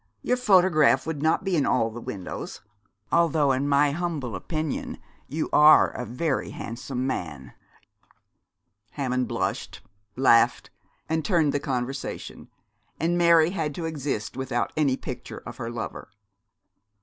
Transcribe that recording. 'Your photograph would not be in all the windows; although, in my humble opinion, you are a very handsome man.' Hammond blushed, laughed, and turned the conversation, and Mary had to exist without any picture of her lover.